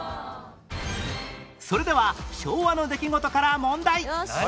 それでは昭和の出来事から問題